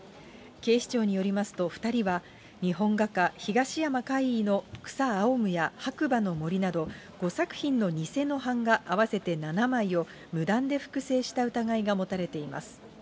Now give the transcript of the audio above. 警視庁によりますと、２人は日本画か東山魁夷の草青むや白馬の森など、５作品の偽の版画合わせて７枚を無断で複製した疑いが持たれています。